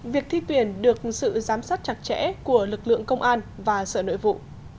việc thi tuyển được sự giám sát chặt chẽ của lực lượng công an và sở nội vụ